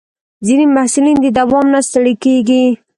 ځینې محصلین د دوام نه ستړي کېږي.